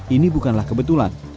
ini bukanlah kebetulan